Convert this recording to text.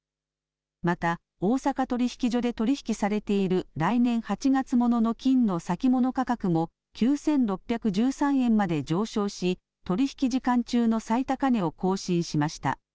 また、大阪取引所で取り引きされている来年８月ものの金の先物価格も９６１３円まで上昇し取引時間中の最高値を更新しました。